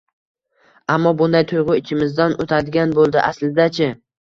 ammo bunday tuyg‘u ichimizdan o‘tadigan bo‘ldi. Aslida-chi?